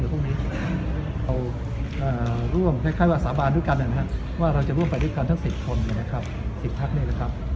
เราร่วมคล้ายว่าสาบานด้วยกันนะครับว่าเราจะร่วมไปด้วยกันทั้งสิบคนนะครับสิบพักนี้นะครับ